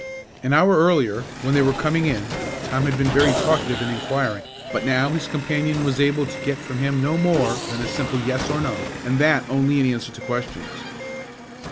An hour earlier, when they were coming in, Tom had been very talkative and inquiring, but now his companion was able to get from him no more than a simple "yes" or "no," and that only in answer to questions.